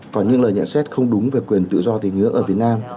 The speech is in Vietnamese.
còn những lời nhận xét không đúng về quyền tự do tín ngưỡng ở việt nam